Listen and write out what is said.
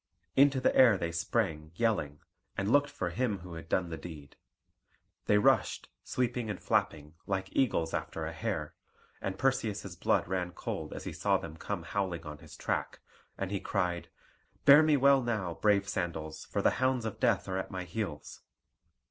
Into the air they sprang yelling, and looked for him who had done the deed. They rushed, sweeping and flapping, like eagles after a hare; and Perseus's blood ran cold as he saw them come howling on his track; and he cried, "Bear me well now, brave sandals, for the hounds of Death are at my heels!"